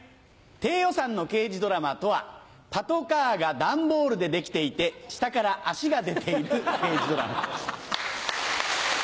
低予算の刑事ドラマとはパトカーが段ボールで出来ていて下から足が出ている刑事ドラマ。